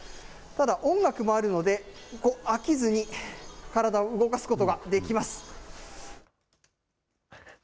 ただ音楽もあるので、飽きずに体を動かすことができます。